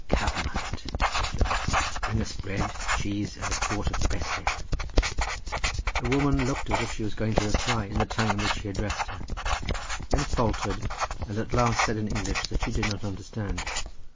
"Come, aunt," said John, "bring us bread and cheese and a quart of the best ale." The woman looked as if she was going to reply in the tongue in which he addressed her, then faltered, and at last said in English that she did not understand.